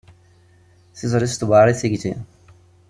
Tiẓri-s tewɛer i tigzi.